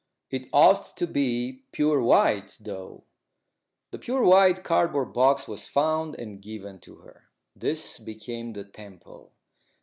It ought to be pure white, though." The pure white cardboard box was found and given to her. This became the temple.